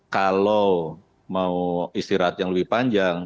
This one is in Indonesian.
kalau mau istirahat yang lebih panjang